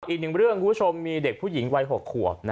อีกหนึ่งเรื่องคุณผู้ชมมีเด็กผู้หญิงวัย๖ขวบ